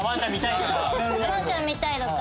わんちゃん見たいとか。